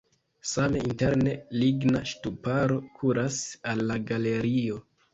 Same interne ligna ŝtuparo kuras al la galerio.